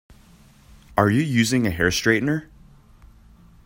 Are you using a hair straightener?